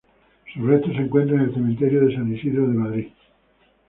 Sus restos se encuentran en el cementerio de San Isidro de Madrid.